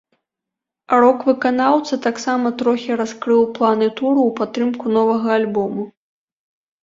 Рок-выканаўца таксама трохі раскрыў планы туру ў падтрымку новага альбому.